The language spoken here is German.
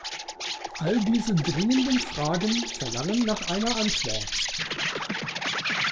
All diese dringenden Fragen verlangen nach einer Antwort.